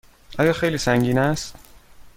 آیا خیلی سنگین است؟